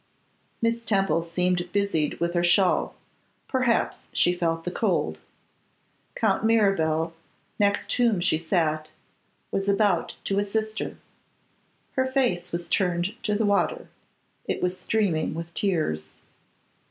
Miss Temple seemed busied with her shawl; perhaps she felt the cold. Count Mirabel, next whom she sat, was about to assist her. Her face was turned to the water; it was streaming with tears.